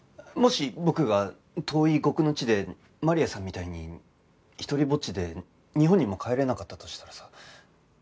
もし僕が遠い異国の地でマリアさんみたいに独りぼっちで日本にも帰れなかったとしたらさ